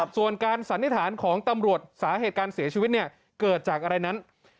ส่วนการสันนิษฐานของตำรวจสาเหตุการเสียชีวิตเกิดจากอะไรนั้น